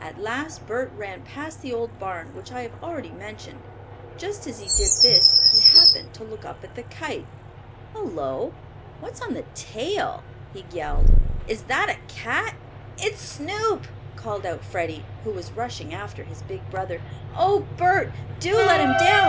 At last Bert ran past the old barn which I have already mentioned. Just as he did this he happened to look up at the kite. "Hullo, what's on the tail?" he yelled. "Is that a cat?" "It's Snoop!" called out Freddie, who was rushing after his big brother. "Oh, Bert, do let him down.